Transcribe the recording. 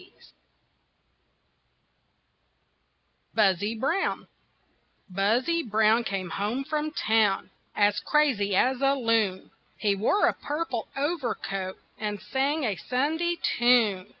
BUZZY BROWN Buzzy Brown came home from town As crazy as a loon, He wore a purple overcoat And sang a Sunday tune.